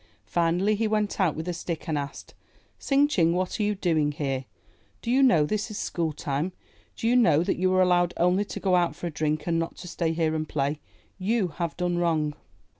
Finally he went out with a stick and asked, 'Tsing Ching, what are you doing here? Do you know this is school time? Do you know that you were allowed only to go out for a drink and not to stay here and play? You have done wrong."